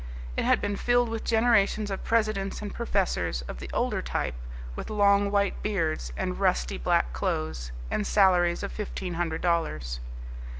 It had been filled with generations of presidents and professors of the older type with long white beards and rusty black clothes, and salaries of fifteen hundred dollars.